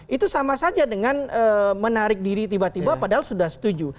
itu sama saja dengan menarik diri tiba tiba padahal sudah setuju